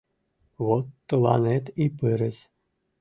Вот тыланет и пырыс!